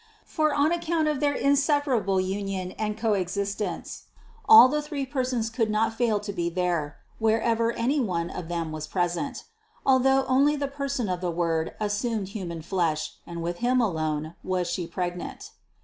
For on account of their inseparable union and co existence, all the three Persons could not fail to be there, wherever any one of Them was present; although only the Person of the Word assumed human flesh and with Him alone was She pregnant.